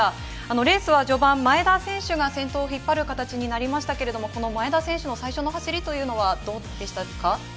ペースは序盤、前田選手が引っ張る形になりましたが、前田選手の最初の走りはどうでしたか。